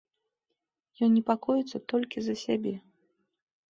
Ён непакоіцца толькі за сябе.